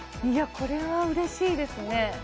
いやこれは嬉しいですね